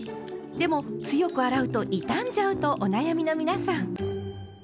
でも強く洗うと傷んじゃうとお悩みの皆さん。